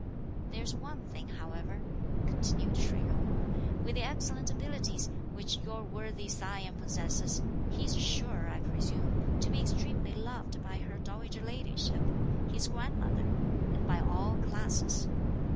"There's one thing, however," continued Shih Jung; "with the excellent abilities which your worthy scion possesses, he's sure, I presume, to be extremely loved by her dowager ladyship, (his grandmother), and by all classes.